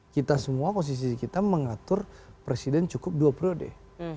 kita semua konstitusi kita mengatur presiden cukup dua periode